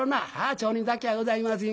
町人だけやございません。